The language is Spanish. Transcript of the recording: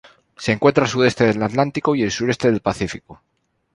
Se encuentra al sudeste del Atlántico y el sureste del Pacífico.